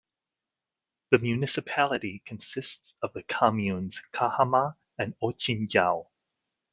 The municipality consists of the communes Cahama and Otchinjau.